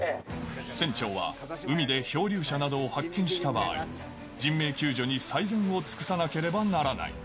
船長は、海で漂流者などを発見した場合、人命救助に最善を尽くさなければならない。